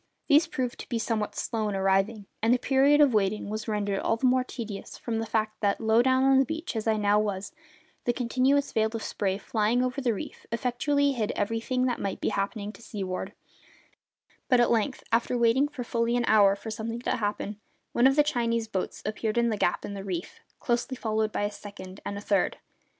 These proved to be somewhat slow in arriving; and the period of waiting was rendered all the more tedious from the fact that, low down on the beach as I now was, the continuous veil of spray flying over the reef effectually hid everything that might be happening to seaward; but at length, after waiting for fully an hour for something to happen, one of the Chinese boats appeared in the gap in the reef, closely followed by a second and a third.